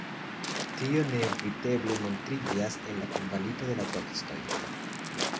Tio neeviteble montriĝas en la kvalito de la tekstoj.